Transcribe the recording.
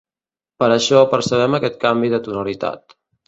Per això percebem aquest canvi de tonalitat.